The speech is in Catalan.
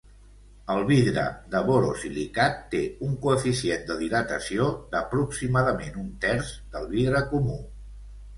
El vidre de borosilicat té un coeficient de dilatació d'aproximadament un terç del vidre comú.